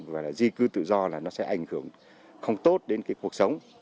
và di cư tự do là nó sẽ ảnh hưởng không tốt đến cái cuộc sống